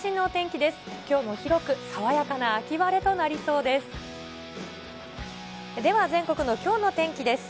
きょうも広く爽やかな秋晴れとなりそうです。